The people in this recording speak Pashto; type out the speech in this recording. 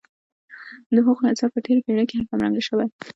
د هغو اثر په تېره پېړۍ کې کم رنګه شوی.